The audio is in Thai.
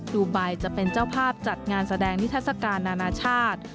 ดูไบจะเป็นเจ้าภาพจัดงานแสดงนิทัศกาลนานาชาติ